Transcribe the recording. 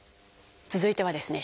続いてはですね